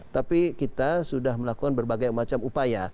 tapi kita sudah melakukan berbagai macam upaya